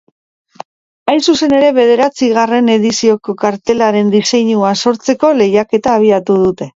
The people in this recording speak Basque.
Hain zuzen ere, bederatzigarren edizioko kartelaren diseinua sortzeko lehiaketa abiatu dute.